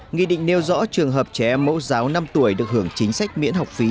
nghị định nêu rõ trường hợp trẻ em mẫu giáo năm tuổi được hưởng chính sách miễn học phí